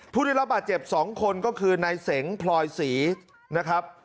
ผู้ได้รับบาดเจ็บ๒คนก็คือนายเสงพลอยศรีนะครับ